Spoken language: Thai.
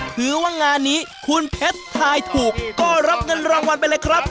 ถือว่างานนี้คุณเพชรทายถูกก็รับเงินรางวัลไปเลยครับ